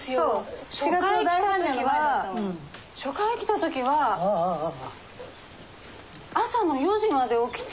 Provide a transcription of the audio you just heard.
初回来た時は初回来た時は朝の４時まで起きて。